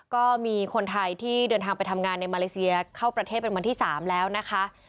ก็มีคนไทยที่เดินทางไปทำงานในมาเลเซียเข้าประเทศเป็นวันที่๓แล้วนะคะ